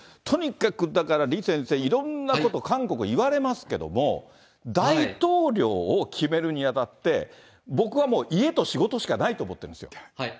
とにかくだから、李先生、いろんなこと、韓国言われますけども、大統領を決めるにあたって、僕はもう、家と仕事しかないと思ってるんですよ。